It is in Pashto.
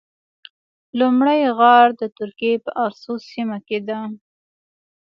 لومړی غار د ترکیې په افسوس سیمه کې ده.